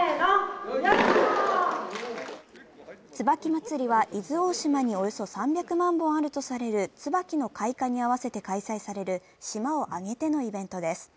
椿まつりは伊豆大島におよそ３００万本あるとされる椿の開花に合わせて開催される島を挙げてのイベントです。